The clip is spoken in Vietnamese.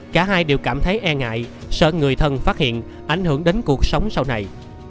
cả hai đều cảm thấy e ngại sợ người thân phát hiện ảnh hưởng đến cuộc sống sau này